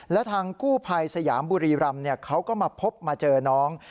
และทางกู้ภัยสยามบุรีรำเขาก็มาพบมาเจอน้อง